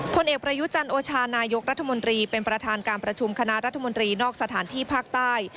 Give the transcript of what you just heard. ผลเอกประยุจันโอชานายกรัฐมนตรีเป็นประธานการประชุมคณะรัฐมนตรีนอกสถานที่ภาคใต้